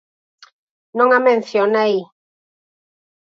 Non a mencionei.